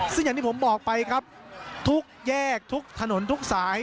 ซึ่งอย่างที่ผมบอกไปครับทุกแยกทุกถนนทุกสาย